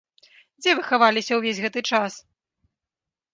Дзе вы хаваліся ўвесь гэты час?